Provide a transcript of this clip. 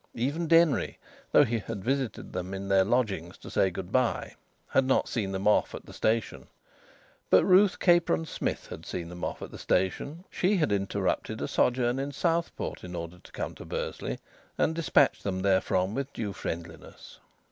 Even Denry, though he had visited them in their lodgings to say good bye, had not seen them off at the station; but Ruth Capron Smith had seen them off at the station. She had interrupted a sojourn to Southport in order to come to Bursley, and despatch them therefrom with due friendliness.